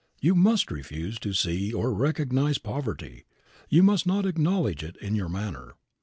You must refuse to see or recognize poverty. You must not acknowledge it in your manner.